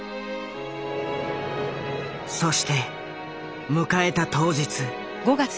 そして迎えた当日。